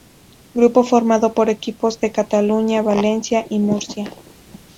Grupo formado por equipos de Cataluña, Valencia y Murcia.